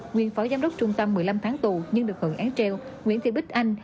nguyên phó giám đốc trung tâm một mươi năm tháng tù nhưng được hưởng án treo nguyễn thị bích anh